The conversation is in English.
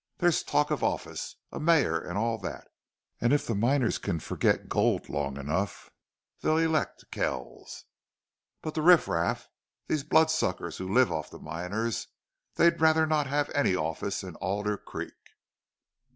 There's talk of office a mayor and all that and if the miners can forget gold long enough they'll elect Kells. But the riffraff, these bloodsuckers who live off the miners, they'd rather not have any office in Alder Creek."